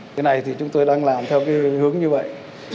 cái này thì chúng tôi đang làm theo cái hướng như vậy